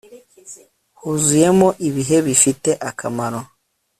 huzuyemo ibihe bifite akamaro